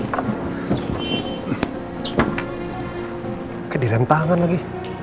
kayak direm tangan lagi